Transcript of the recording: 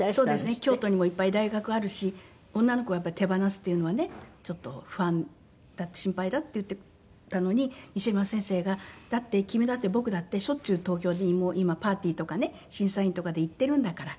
「京都にもいっぱい大学あるし女の子をやっぱり手放すっていうのはねちょっと不安だ心配だ」って言っていたのに西村先生が「だって君だって僕だってしょっちゅう東京に今パーティーとかね審査員とかで行っているんだから」。